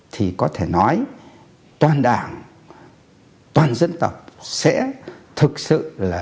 thì có thể nói toàn đảng toàn dân tộc sẽ thực sự là